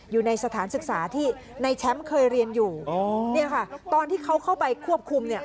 อยู่ในสถานศึกษาที่ในแชมป์เคยเรียนอยู่อ๋อเนี่ยค่ะตอนที่เขาเข้าไปควบคุมเนี่ย